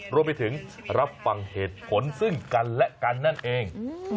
รวมไปถึงรับฟังเหตุผลซึ่งกันและกันนั่นเอง